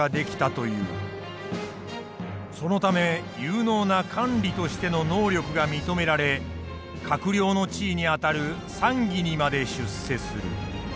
そのため有能な官吏としての能力が認められ閣僚の地位にあたる参議にまで出世する。